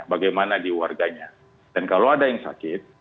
bagaimana di warganya dan kalau ada yang sakit